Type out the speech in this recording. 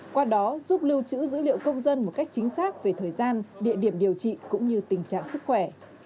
qua đó giúp lưu trữ dữ liệu công dân một cách chính xác về thời gian địa điểm điều trị cũng như tình trạng sức khỏe